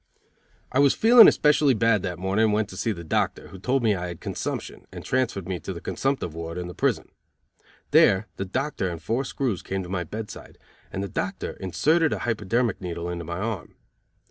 I was feeling especially bad that morning and went to see the doctor, who told me I had consumption, and transferred me to the consumptive ward in the prison. There the doctor and four screws came to my bedside, and the doctor inserted a hyperdermic needle into my arm.